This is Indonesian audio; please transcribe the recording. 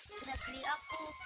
ke negeri aku